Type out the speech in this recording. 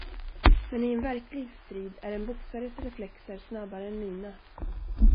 Men i en verklig strid är en boxares reflexer snabbare än mina.